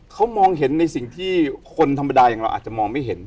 เขามองเห็นในสิ่งที่คนธรรมดาอย่างเราอาจจะมองไม่เห็น